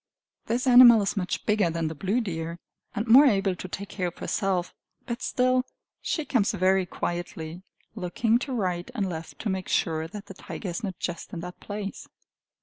This animal is much bigger than the blue deer, and more able to take care of herself. But, still, she comes very quietly, looking to right and left to make sure that the tiger is not just in that place.